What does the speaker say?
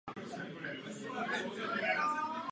Trojúhelník by neměl být delší než nos a širší než oko.